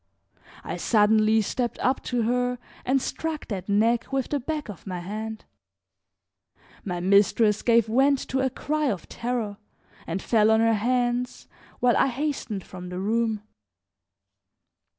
I suddenly stepped up to her and struck that neck with the back of my hand. My mistress gave vent to a cry of terror, and fell on her hands, while I hastened from the room.